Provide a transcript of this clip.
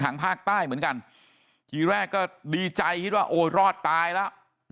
ทางภาคใต้เหมือนกันทีแรกก็ดีใจคิดว่าโอ้รอดตายแล้ว